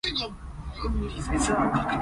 糖不甩同龍鬚糖係傳統甜品